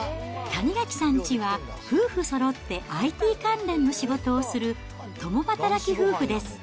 谷垣さんちは、夫婦そろってＩＴ関連の仕事をする共働き夫婦です。